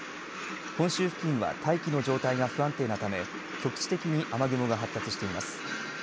本州付近は大気の状態が不安定なため局地的に雨雲が発達しています。